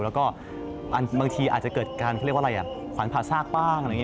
แล้วก็บางทีอาจจะเกิดการความผาซากบ้าง